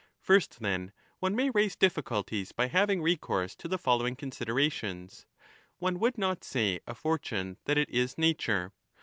First, then, one may raise difficulties by having recourse to the following considerations. One would not say of fortune that it is nature.